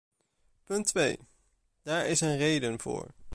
Punt twee: daar is een reden voor.